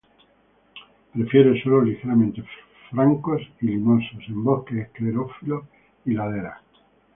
Prefiere suelos ligeramente francos y limosos, en bosques esclerófilos y laderas.